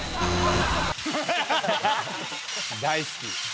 大好き。